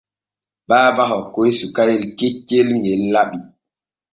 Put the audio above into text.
Baaba hokkay sukayel keccel ŋel laɓi.